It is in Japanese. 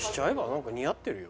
なんか似合ってるよ。